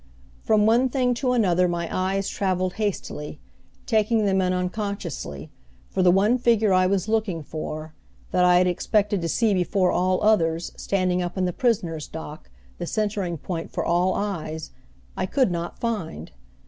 From one thing to another my eyes traveled hastily, taking them in unconsciously, for the one figure I was looking for that I had expected to see before all others, standing up in the prisoner's dock, the centering point for all eyes I could not find.